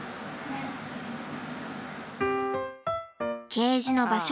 ケージの場所